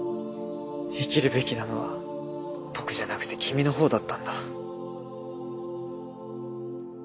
生きるべきなのは僕じゃなくて君のほうだったんだ。